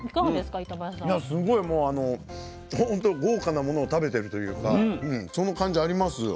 すごいもうほんと豪華なものを食べてるというかその感じありますよ。